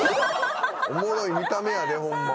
おもろい見た目やでホンマ。